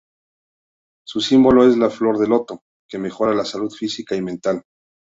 Su símbolo es la flor de loto, que mejora la salud física y mental.